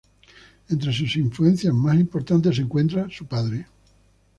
Entre sus influencias más importantes se encontraba su padre.